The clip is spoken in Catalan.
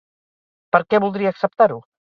Per que voldría acceptar-ho?